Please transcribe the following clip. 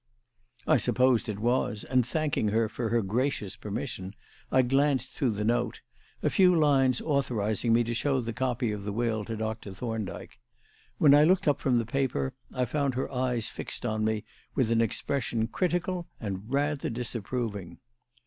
I supposed it was; and, thanking her for her gracious permission, I glanced through the note a few lines authorising me to show the copy of the will to Dr. Thorndyke. When I looked up from the paper I found her eyes fixed on me with an expression critical and rather disapproving.